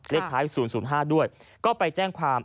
เลขท้าย๐๐๕ด้วยก็ไปแจ้งความ